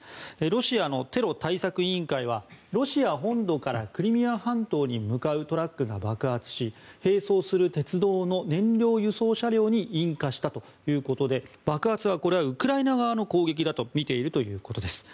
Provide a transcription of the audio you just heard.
ロシアのテロ対策委員会はロシア本土からクリミア半島に向かうトラックが爆発し並走する鉄道の燃料輸送車両に引火したということで爆発はウクライナ側の攻撃だとみているということです。